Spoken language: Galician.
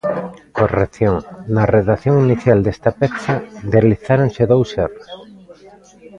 Corrección: na redacción inicial desta peza deslizáronse dous erros.